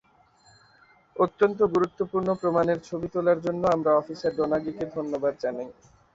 অত্যন্ত গুরুত্বপূর্ণ প্রমাণের ছবি তোলার জন্য আমরা অফিসার ডোনাগিকে ধন্যবাদ জানাই।